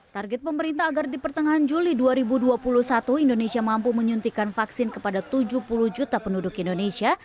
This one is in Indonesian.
target pemerintah agar di pertengahan juli dua ribu dua puluh satu indonesia mampu menyuntikan vaksin kepada tujuh puluh juta penduduk indonesia